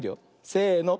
せの。